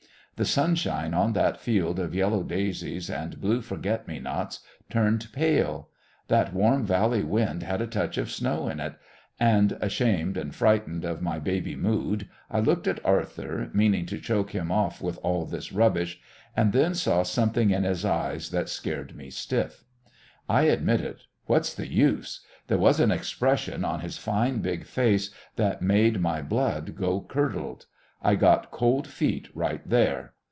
The sunshine on that field of yellow daisies and blue forget me nots turned pale. That warm valley wind had a touch of snow in it. And, ashamed and frightened of my baby mood, I looked at Arthur, meaning to choke him off with all this rubbish and then saw something in his eyes that scared me stiff. I admit it. What's the use? There was an expression on his fine big face that made my blood go curdled. I got cold feet right there.